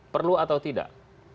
perlu atau tidak